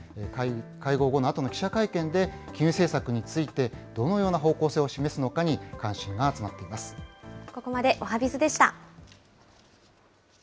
会合後のあとの記者会見で、金融政策についてどのような方向性を示すのかに関心が集まっていここまでおはＢｉｚでした。